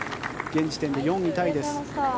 現時点で４位タイです。